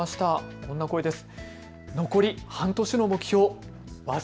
こんな声です。